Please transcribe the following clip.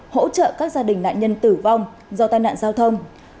hỗ trợ các gia đình nạn nhân tử vong do tai nạn giao thông